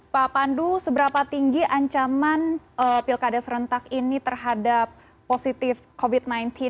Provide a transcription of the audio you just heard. pak pandu seberapa tinggi ancaman pilkada serentak ini terhadap positif covid sembilan belas